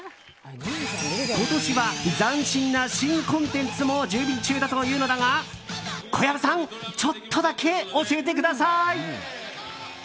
今年は新コンテンツも準備中だというのだが小籔さん、ちょっとだけ教えてください！